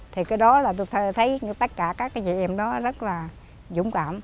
thì cái đó là tôi thấy tất cả các cái chị em đó rất là dũng cảm